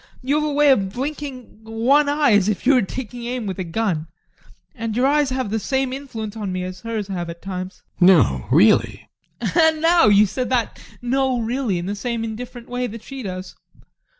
You have a way of blinking one eye as if you were taking aim with a gun, and your eyes have the same influence on me as hers have at times. GUSTAV. No, really? ADOLPH. And now you said that "no, really" in the same indifferent way that she does.